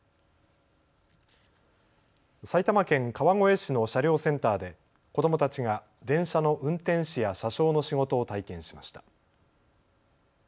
埼玉県川越市の車両センターで子どもたちが電車の運転士や車掌の仕事を体験しました。